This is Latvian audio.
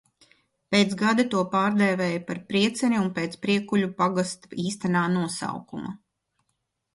"Pēc gada to pārdēvēja par "Prieceni" – "pēc Priekuļu pagasta īstenā nosaukuma"."